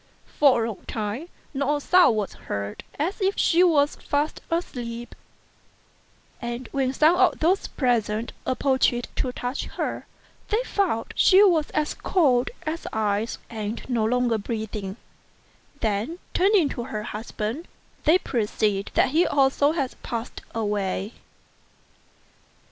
For a long time not a sound was heard, as if she was fast asleep ; and when some of those present approached to touch her, they found she was as cold as ice, and no longer breathing; then, turning to her husband, they perceived that he also had passed away.